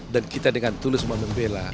dan kita dengan tulus mau membela